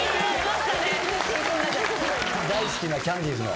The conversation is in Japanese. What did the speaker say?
大好きなキャンディーズの。